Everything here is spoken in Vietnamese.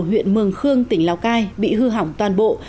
huyện mường khương tỉnh lào cai bị hư hỏng toàn bộ